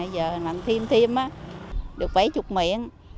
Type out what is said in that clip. giờ làm thêm thêm được bảy mươi miệng